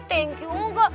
thank you ngga